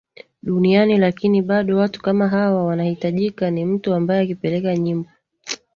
duniani lakini bado watu kama hawa wanahitajika ni mtu ambaye akipeleka nyimbo